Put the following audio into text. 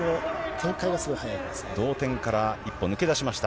同点から一歩抜け出しました。